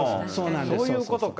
そういうことか。